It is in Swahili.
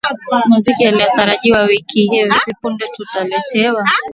muziki yaliojiri wiki hii hivi punde tutawaletea